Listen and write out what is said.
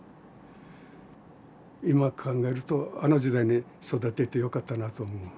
今考えるとあの時代に育っててよかったなと思う。